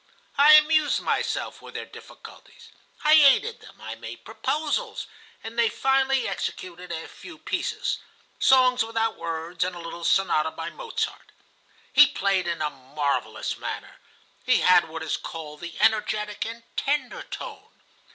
I amused myself with their difficulties. I aided them, I made proposals, and they finally executed a few pieces,—songs without words, and a little sonata by Mozart. He played in a marvellous manner. He had what is called the energetic and tender tone.